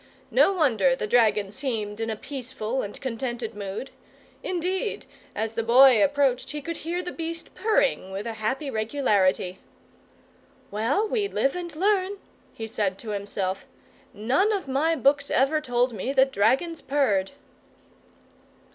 No wonder the dragon seemed in a peaceful and contented mood; indeed, as the Boy approached he could hear the beast purring with a happy regularity. "Well, we live and learn!" he said to himself. "None of my books ever told me that dragons purred!"